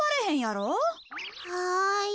はい。